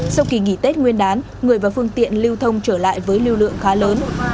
sau kỳ nghỉ tết nguyên đán người và phương tiện lưu thông trở lại với lưu lượng khá lớn